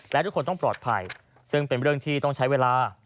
และทุกคนต้องปลอดภัยซึ่งเป็นเรื่องที่ต้องใช้เวลา